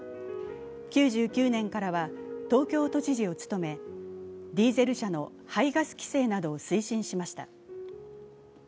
９９年からは東京都知事を務め、ディーゼル車の排ガス規制などを推進しました。